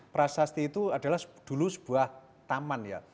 prasasti itu adalah dulu sebuah taman ya